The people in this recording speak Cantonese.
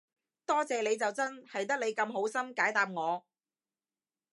多謝你就真，係得你咁好心解答我